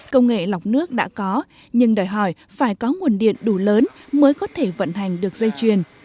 công nghệ lọc nước đã có nhưng đòi hỏi phải có nguồn điện đủ lớn mới có thể vận hành được dây chuyền